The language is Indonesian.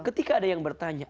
ketika ada yang bertanya